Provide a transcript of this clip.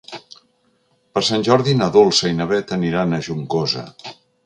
Per Sant Jordi na Dolça i na Beth aniran a Juncosa.